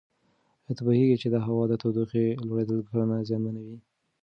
ایا ته پوهېږې چې د هوا د تودوخې لوړېدل کرنه زیانمنوي؟